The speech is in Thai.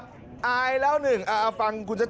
สี่ปีแล้วที่สุดท้าย